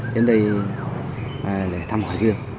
đến đây để thăm hòa dương